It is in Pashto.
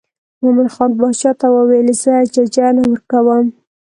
مومن خان باچا ته وویل زه ججه نه ورکوم.